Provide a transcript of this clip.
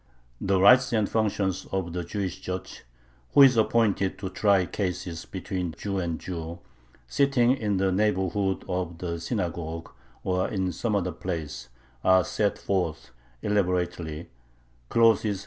The rights and functions of the "Jewish judge," who is appointed to try cases between Jew and Jew, sitting "in the neighborhood of the synagogue or in some other place," are set forth elaborately (§§16 23).